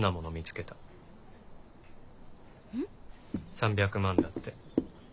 ３００万だって。